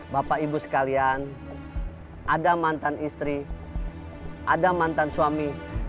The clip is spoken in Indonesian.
bapak ibu sekalian ada mantan istri ada mantan suami